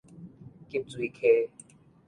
急水溪